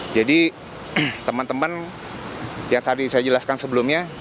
jadi teman teman yang tadi saya jelaskan sebelumnya